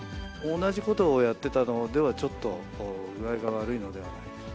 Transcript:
同じことをやってたのでは、ちょっと具合が悪いのではないか。